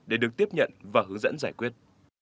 để được tiếp nhận và hướng dẫn giải quyết